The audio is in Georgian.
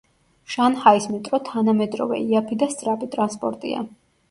შანჰაის მეტრო თანამედროვე, იაფი და სწრაფი ტრანსპორტია.